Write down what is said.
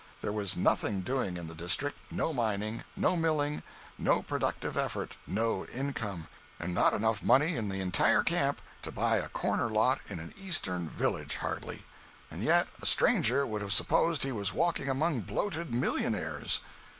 There was nothing doing in the district—no mining—no milling—no productive effort—no income—and not enough money in the entire camp to buy a corner lot in an eastern village, hardly; and yet a stranger would have supposed he was walking among bloated millionaires.